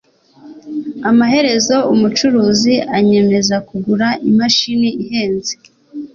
amaherezo umucuruzi anyemeza kugura imashini ihenze